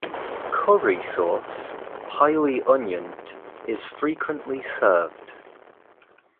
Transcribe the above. Curry sauce, highly onioned, is frequently served.